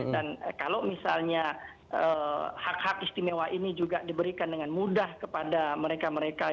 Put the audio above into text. dan kalau misalnya hak hak istimewa ini juga diberikan dengan mudah kepada mereka mereka mereka